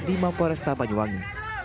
di mapolsek tapanyuwangi